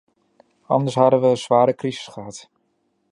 Anders hadden we een zware crisis gehad.